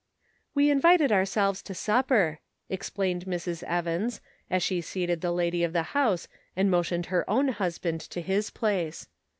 " We invited ourselves to supper," explained Mrs. Evans, as she seated the lady of the house and motioned her own husband to his place.